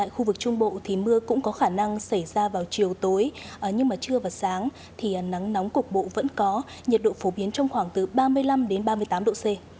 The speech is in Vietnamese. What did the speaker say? hà năng xảy ra vào chiều tối nhưng mà trưa và sáng thì nắng nóng cục bộ vẫn có nhiệt độ phổ biến trong khoảng từ ba mươi năm đến ba mươi tám độ c